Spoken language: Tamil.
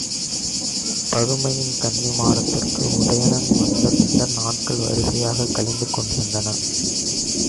பதுமையின் கன்னிமாடத்திற்கு உதயணன் வந்த பின்னர் நாட்கள் வரிசையாகக் கழிந்து கொண்டிருந்தன.